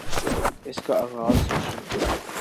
اس کا آغاز سوشل